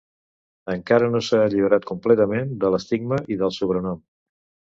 Encara no s'ha alliberat completament de l'estigma i del sobrenom.